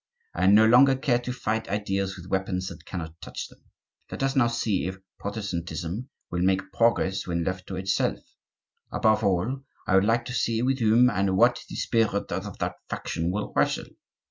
I no longer care to fight ideas with weapons that cannot touch them. Let us see now if Protestantism will make progress when left to itself; above all, I would like to see with whom and what the spirit of that faction will wrestle.